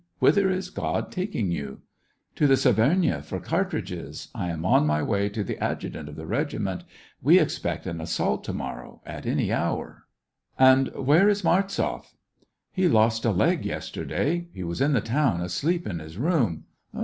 Whither is God taking you }"" To the Severnaya, for cartridges ; I am on my way to the adjutant of the regiment ... we ex pect an assault to morrow, at any hour." And where is Martzoff .?"He lost a leg yesterday ; he was in the town, asleep in his room.